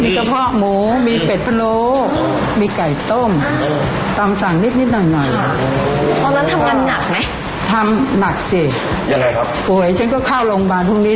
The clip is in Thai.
นี่คือวันธรรมดาแล้วถ้าแบบช่วงเทศกาลอย่างนี้